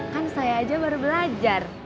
kan saya aja baru belajar